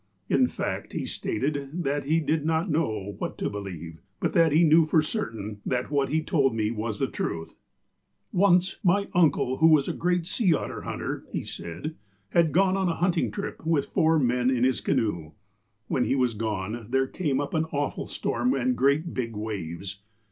In fact, he stated that he did not know what to believe, but that he knew for certain that what he told me was the truth : ''Once, my uncle, who was a great sea otter hunter," he said, "had gone on a hunting trip, with four men, in his canoe. While he was gone, there came up an awful storin, and great big waves.